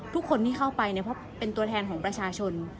ทุกคนที่เข้าไปเนี่ยเพราะเป็นตัวแทนของประชาชน